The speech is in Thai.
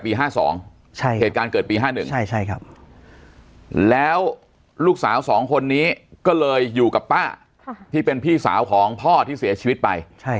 ๕๒เหตุการณ์เกิดปี๕๑แล้วลูกสาว๒คนนี้ก็เลยอยู่กับป้าที่เป็นพี่สาวของพ่อที่เสียชีวิตไป